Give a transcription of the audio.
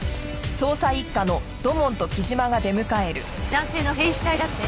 男性の変死体だって？